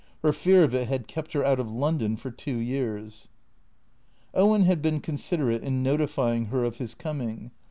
Her fear of it had kept her out of London for two years. Owen had been considerate in notifying her of his coming.